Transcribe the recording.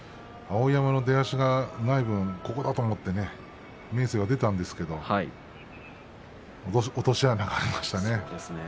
碧山の出足がない分ここだと思って明生は出たんですけど落とし穴がありましたね。